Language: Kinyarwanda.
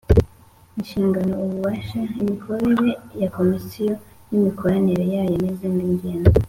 Inshingano ububasha imikorere ya Komisiyo n imikoranire yayo n izindi nzego